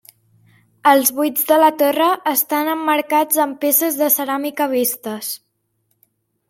Els buits de la torre estan emmarcats amb peces de ceràmica vistes.